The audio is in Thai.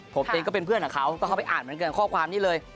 ผมเองก็เป็นเพื่อนกับเขาก็เข้าไปอ่านเหมือนกันข้อความนี้เลย